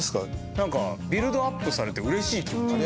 なんかビルドアップされて嬉しい気持ち。